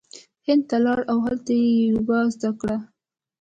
هند ته لاړ او هلته یی یوګا زړه کړه